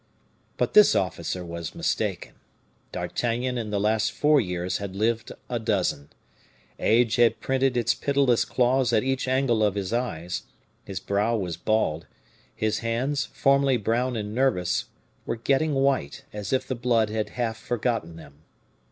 But this officer was mistaken; D'Artagnan in the last four years had lived a dozen. Age had printed its pitiless claws at each angle of his eyes; his brow was bald; his hands, formerly brown and nervous, were getting white, as if the blood had half forgotten them.